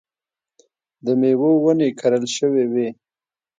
د مېوو ونې کرل شوې وې.